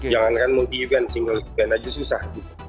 jangankan multi event single event aja susah